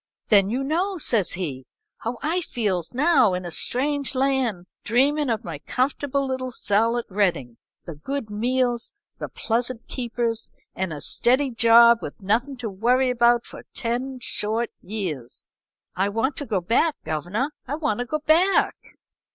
"'Then you know, says he, 'how I feels now in a strange land, dreamin' of my comfortable little cell at Reading; the good meals, the pleasant keepers, and a steady job with nothin' to worry about for ten short years. I want to go back, governor I want to go back!'